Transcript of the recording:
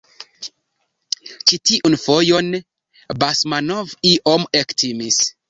Ĉi tiun fojon Basmanov iom ektimis.